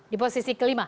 di posisi ke lima